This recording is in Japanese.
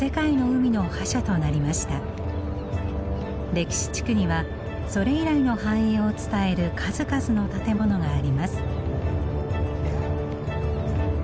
歴史地区にはそれ以来の繁栄を伝える数々の建物があります。